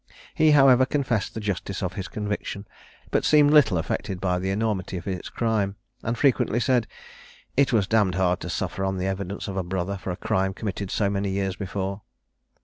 He, however, confessed the justice of his conviction, but seemed little affected by the enormity of his crime, and frequently said, "it was d d hard to suffer on the evidence of a brother for a crime committed so many years before."